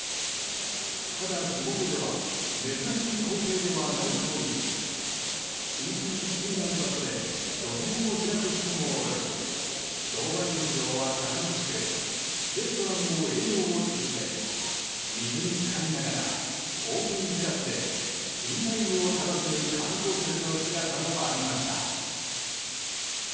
ただ、地元では珍しい光景ではないといい浸水していない場所で露店を開く人もおり商売根性はたくましくレストランも営業を続け水に浸かりながらオープンテラスでティータイムを楽しむ観光客の姿もありました。